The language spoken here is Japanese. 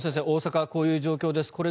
大阪はこういう状況です。